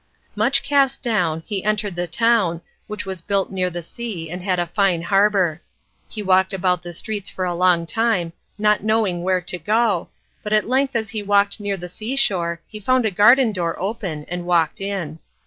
Much cast down, he entered the town, which was built near the sea and had a fine harbour. He walked about the streets for a long time, not knowing where to go, but at length as he walked near the seashore he found a garden door open and walked in.